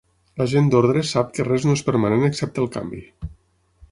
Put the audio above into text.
La gent d’ordre sap que res no és permanent excepte el canvi